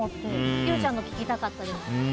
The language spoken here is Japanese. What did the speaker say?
伊代ちゃんの聞きたかったです。